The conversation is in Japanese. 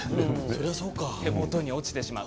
手元に落ちてしまう。